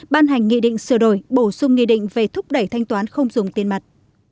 ban hành nghị định sửa đổi bổ sung nghị định về thúc đẩy thanh toán không dùng tiền mặt